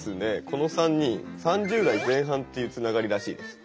この３人３０代前半っていうつながりらしいです。